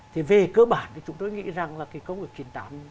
thì về cơ bản thì chúng tôi nghĩ rằng là cái công ước chín mươi tám